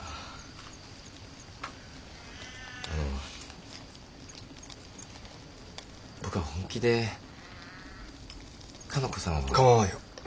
あの僕は本気でかの子さんを。かまわんよ。